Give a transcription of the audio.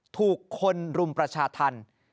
ถูกคนรุมประชาธรรม